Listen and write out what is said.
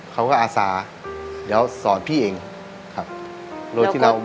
เขาก็อาสาร